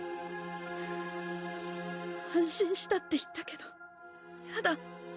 安心したって言ったけどやだ！